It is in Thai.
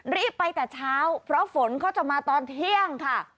รีบไปแต่เช้าเพราะฝนเขาจะมาตอนเที่ยงค่ะ